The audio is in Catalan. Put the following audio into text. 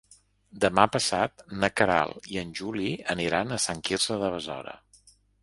Demà passat na Queralt i en Juli aniran a Sant Quirze de Besora.